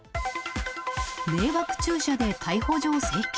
迷惑駐車で逮捕状請求。